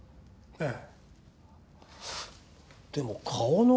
ええ。